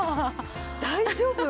大丈夫？